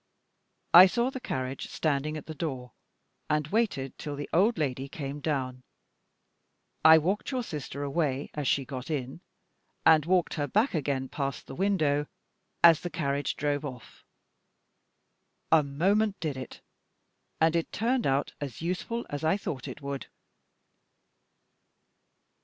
I saw the carriage standing at the door, and waited till the old lady came down. I walked your sister away as she got in, and walked her back again past the window as the carriage drove off. A moment did it, and it turned out as useful as I thought it would.